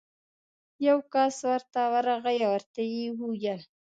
یو کس ورته ورغی او ورته ویې ویل: